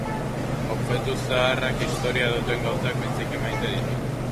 Objektu zaharrak, historia duten gauzak, biziki maite ditut.